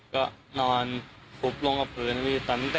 ก็นอนปรุดลงกับเฟือนพี่ไปตอนนั้น